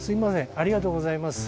ありがとうございます。